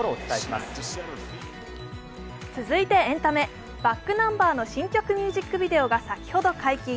続いてエンタメ、ｂａｃｋｎｕｍｂｅｒの新曲ミュージックビデオが先ほど解禁。